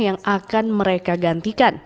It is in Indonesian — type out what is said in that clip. yang akan mereka gantikan